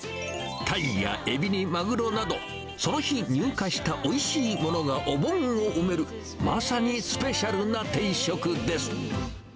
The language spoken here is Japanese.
タイやエビにマグロなど、その日入荷したおいしいものがお盆を埋める、まさにスペシャルな定食です。